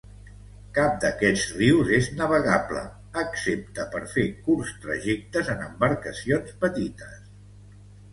Cap d'aquests rius és navegable, excepte per fer curts trajectes en embarcacions petites.